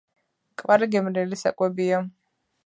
კვარი გემრიელი საკვებია